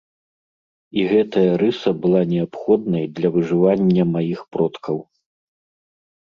І гэтая рыса была неабходнай для выжывання маіх продкаў!